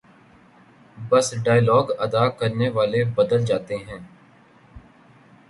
بس ڈائیلاگ ادا کرنے والے بدل جاتے ہیں۔